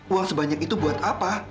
uang sebanyak itu buat apa